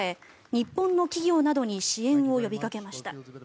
日本の企業などに支援を呼びかけました。